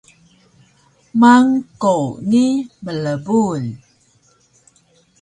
mang-kwo ni blbul